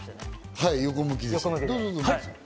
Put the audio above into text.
はい、横向きです。